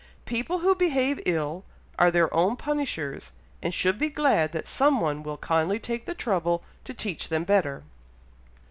People who behave ill are their own punishers, and should be glad that some one will kindly take the trouble to teach them better."